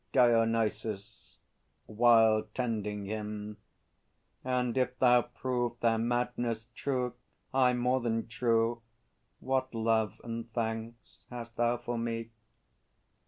DIONYSUS (while tending him). And if thou prove Their madness true, aye, more than true, what love And thanks hast thou for me?